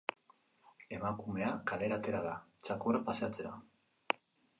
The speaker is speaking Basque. Emakumea kalera atera da, txakurrak paseatzera.